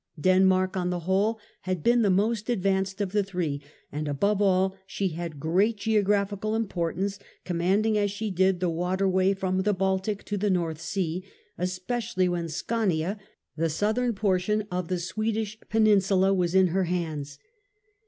Denmark, on the whole, had been the most advanced of the three, and above all she had great geographical importance, commanding as she did the water way from the Baltic to the North Sea, especially when Skaania, the southern portion of the Swedish Peninsula, was in her hands.